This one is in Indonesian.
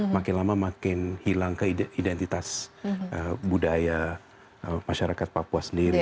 makin lama makin hilang ke identitas budaya masyarakat papua sendiri